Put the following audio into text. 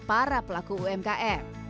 para pelaku umkm